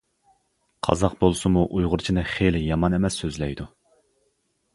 قازاق بولسىمۇ ئۇيغۇرچىنى خېلى يامان ئەمەس سۆزلەيدۇ.